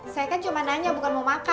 saya kan cuma nanya bukan mau makan